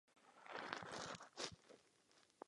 Díl režíroval Steven Dean Moore.